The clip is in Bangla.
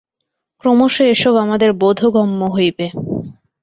ক্রমশ এ-সব আমাদের বোধগম্য হইবে।